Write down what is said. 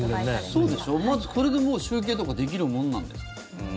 それでもう集計とかできるもんなんですか？